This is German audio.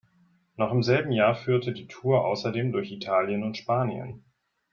Noch im selben Jahr führte die Tour außerdem durch Italien und Spanien.